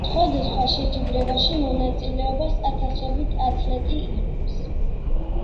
სხვადასხვა შეჯიბრებაში მონაწილეობას ათასობით ათლეტი იღებს.